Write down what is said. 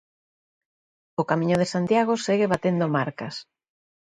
O Camiño de Santiago segue batendo marcas.